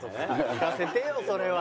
聞かせてよそれは。